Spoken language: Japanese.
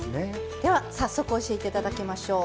早速教えていただきましょう。